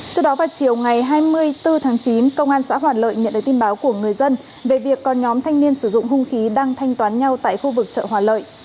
trước đó vào chiều ngày hai mươi bốn tháng chín công an xã hòa lợi nhận được tin báo của người dân về việc còn nhóm thanh niên sử dụng hung khí đang thanh toán nhau tại khu vực chợ hòa lợi